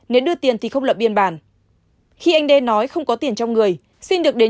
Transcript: nếu đưa tiền thì không lập biên bản khi anh đê nói không có tiền trong người xin được đến